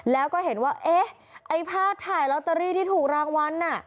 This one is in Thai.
แล้วก็เห็นว่าเอ๊ะไอ้ภาพถ่ายลอตเตอรี่ที่ถูกรางวัลน่ะ